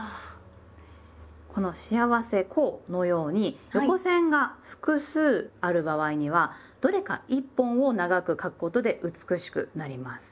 この「『幸』せ」「幸」のように横線が複数ある場合にはどれか１本を長く書くことで美しくなります。